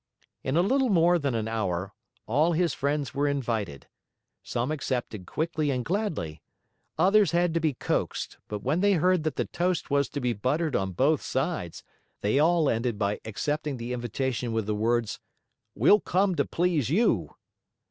In a little more than an hour, all his friends were invited. Some accepted quickly and gladly. Others had to be coaxed, but when they heard that the toast was to be buttered on both sides, they all ended by accepting the invitation with the words, "We'll come to please you."